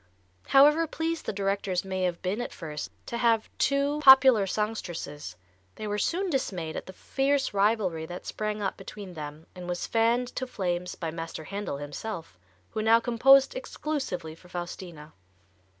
However pleased the directors may have been at first to have two popular songstresses, they were soon dismayed at the fierce rivalry that sprang up between them and was fanned to flames by Master Handel himself, who now composed exclusively for Faustina.